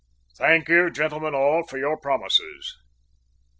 "Thank you, gentlemen all, for your promises.